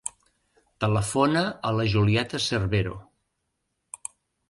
Telefona a la Julieta Cervero.